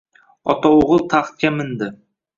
Otao’g’il taxtga mindi